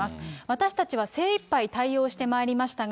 私たちは精いっぱい対応してまいりましたが、